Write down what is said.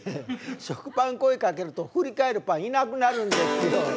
食パン声かけると振り返るパンいなくなるんですよ。